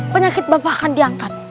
penyakit bapak akan diangkat